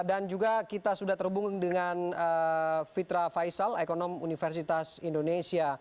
dan juga kita sudah terhubung dengan fitra faisal ekonom universitas indonesia